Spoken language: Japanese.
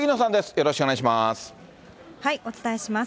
よろしくお願いします。